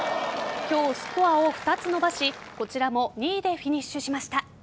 今日スコアを２つ伸ばしこちらも２位でフィニッシュしました。